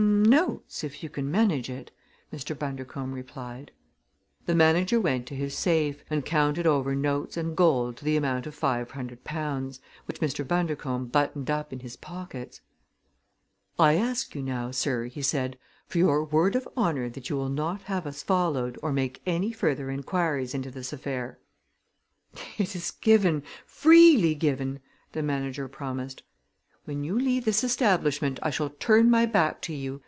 "Notes, if you can manage it," Mr. Bundercombe replied. The manager went to his safe and counted over notes and gold to the amount of five hundred pounds, which Mr. Bundercombe buttoned up in his pockets. "I ask you now, sir," he said, "for your word of honor that you will not have us followed or make any further inquiries into this affair." "It is given freely given!" the manager promised. "When you leave this establishment I shall turn my back to you.